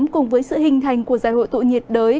cùng với sự hình thành của dài hộ tụ nhiệt đới